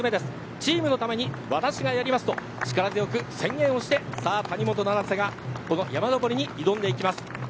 チームのために私がやりますと力強く宣言して谷本七星が山上りに挑んでいきます。